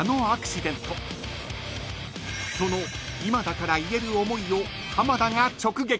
［その今だから言える思いを浜田が直撃］